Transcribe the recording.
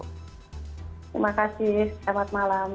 terima kasih selamat malam